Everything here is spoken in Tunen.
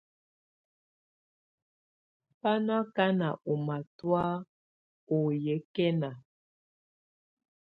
Bá nɔ́ ákáná ɔ́ matɔ̀á ɔ́ nyɛ́kɛna.